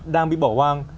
đang bị bỏ hoang